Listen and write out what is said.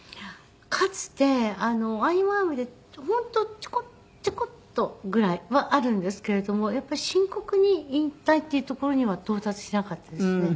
かつて合間合間で本当ちょこちょこっとぐらいはあるんですけれどもやっぱり深刻に引退っていうところには到達しなかったですね。